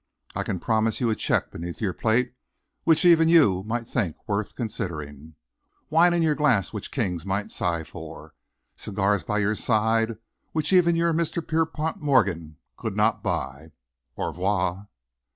I can promise you a cheque beneath your plate which even you might think worth considering, wine in your glass which kings might sigh for, cigars by your side which even your Mr. Pierpont Morgan could not buy. Au revoir!"